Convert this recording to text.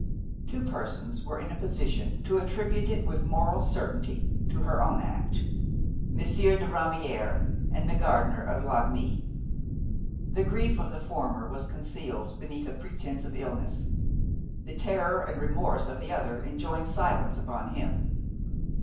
Two persons were in a position to attribute it with moral certainty to her own act–Monsieur de Ramière and the gardener of Lagny. The grief of the former was concealed beneath a pretence of illness; the terror and remorse of the other enjoined silence upon him.